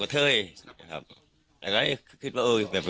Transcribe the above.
ต่อยกันข้างบน